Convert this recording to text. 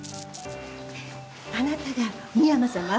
あなたが深山さま？